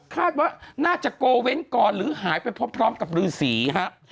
คาดว่าน่าจะโกเว้นก่อนหรือหายไปพร้อมกับฤษีฮะ